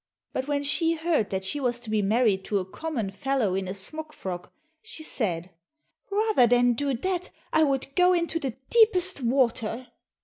But when she heard that she was to be married to a common fellow in a smock frock, she said, "Rather than do that, I would go into the deepest water."